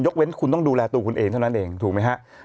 เว้นคุณต้องดูแลตัวคุณเองเท่านั้นเองถูกไหมฮะ